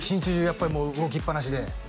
やっぱりもう動きっぱなしで？